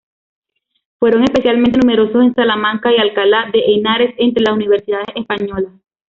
Fueron especialmente numerosos en Salamanca y Alcalá de Henares, entre las universidades españolas.